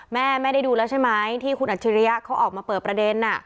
แม่แม่ได้ดูแล้วใช่ไหมที่คุณอัจฉริยะเขาออกมาเปิดประเด็น